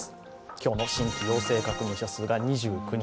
今日の新規陽性確認者数が２９人